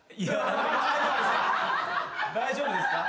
大丈夫ですか？